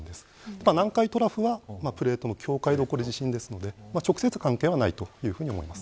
ただ南海トラフはプレートの境界で起こる地震なので直接関係はないと思います。